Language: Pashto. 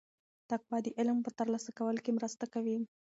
تقوا د علم په ترلاسه کولو کې مرسته کوي.